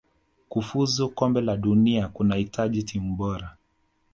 kufuzu kombe la dunia kunahitaji timu bora